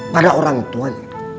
pada orang tuanya